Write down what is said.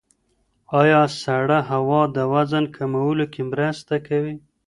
ایا سړه هوا د وزن کمولو کې مرسته کوي؟